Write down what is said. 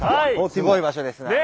すごい場所ですね。